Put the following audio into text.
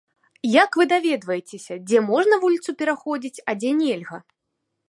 Як вы даведваецеся, дзе можна вуліцу пераходзіць, а дзе нельга?